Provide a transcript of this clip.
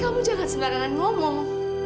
kamu jangan sebarangan ngomong